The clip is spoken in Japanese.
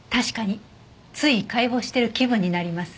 つい解剖している気分になります。